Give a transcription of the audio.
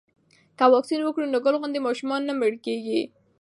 که واکسین وکړو نو ګل غوندې ماشومان نه مړه کیږي.